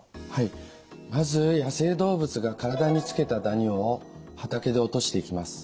まず野生動物が体につけたダニを畑で落としていきます。